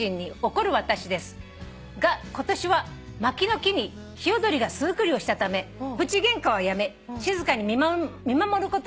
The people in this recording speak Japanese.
「が今年はマキの木にヒヨドリが巣作りをしたためプチゲンカをやめ静かに見守ることにしました」